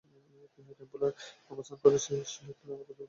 তিনি টেম্পলারদের অবস্থান করা চেস্টেলেট নামক দুর্গ ধ্বংস করতে উদ্যত হন।